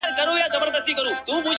چي واکداران مو د سرونو په زاريو نه سي؛